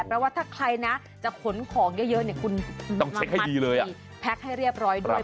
เพราะว่าถ้าใครนะจะขนของเยอะเนี่ยคุณต้องพักให้ดีเลยแพ็คให้เรียบร้อยด้วย